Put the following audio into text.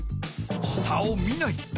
下を見ない。